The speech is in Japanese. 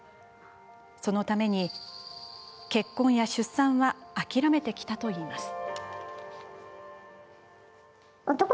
そのために、結婚や出産は諦めてきたといいます。